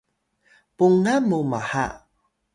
pungan mu mha